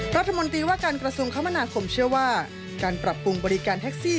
รัฐมนตรีว่าการกระทรวงคมนาคมเชื่อว่าการปรับปรุงบริการแท็กซี่